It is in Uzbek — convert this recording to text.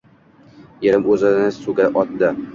Erim o`zini suvga otdi